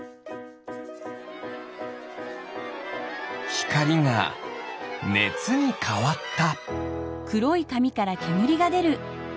ひかりがねつにかわった。